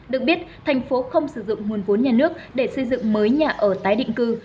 được biết thành phố không sử dụng nguồn vốn nhà nước để xây dựng mới nhà ở tái định cư